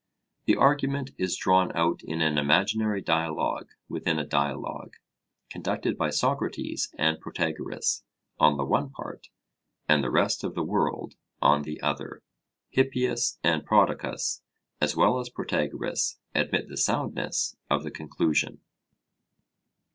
The argument is drawn out in an imaginary 'dialogue within a dialogue,' conducted by Socrates and Protagoras on the one part, and the rest of the world on the other. Hippias and Prodicus, as well as Protagoras, admit the soundness of the conclusion.